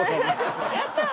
やったー！